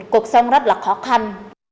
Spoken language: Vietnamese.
cuộc sống rất là khó khăn